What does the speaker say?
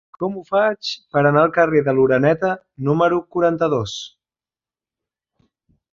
Com ho faig per anar al carrer de l'Oreneta número quaranta-dos?